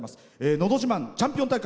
「のど自慢チャンピオン大会」